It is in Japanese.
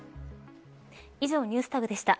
以上、ＮｅｗｓＴａｇでした。